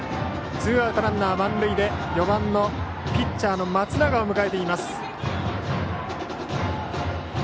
ツーアウトランナー、満塁で４番ピッチャーの松永を迎えています。